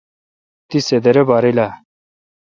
تی سہ درے باریل آ؟